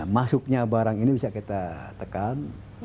masuknya barang ini bisa kita tekan